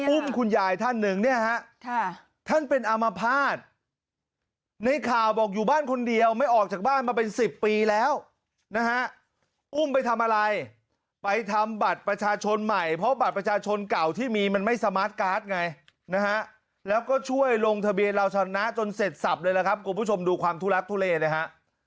อุ้มคุณยายท่านหนึ่งเนี่ยฮะท่านเป็นอามภาษณ์ในข่าวบอกอยู่บ้านคนเดียวไม่ออกจากบ้านมาเป็น๑๐ปีแล้วนะฮะอุ้มไปทำอะไรไปทำบัตรประชาชนใหม่เพราะบัตรประชาชนเก่าที่มีมันไม่สมาร์ทการ์ดไงนะฮะแล้วก็ช่วยลงทะเบียนเราชนะจนเสร็จสับเลยล่ะครับคุณผู้ชมดูความทุลักทุเลนะฮะ